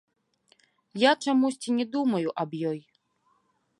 Я чамусьці не думаю аб ёй.